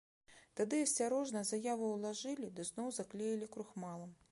Тады асцярожна заяву ўлажылі ды зноў заклеілі крухмалам.